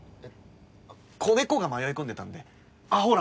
子猫が迷い込んでたんであっほら